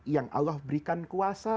yang allah berikan kuasa